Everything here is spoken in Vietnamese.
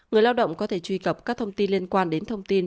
người lao động có thể truy cập các thông tin liên quan đến thông tin